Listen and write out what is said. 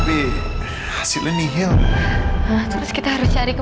panjat berapa itu